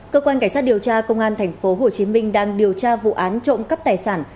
cơ quan cảnh sát điều tra công an tp hcm đang điều tra vụ án trộm cắp tài sản